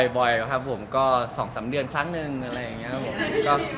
บ่อยครับผมก็๒๓เดือนครั้งหนึ่งอะไรอย่างนี้ครับผม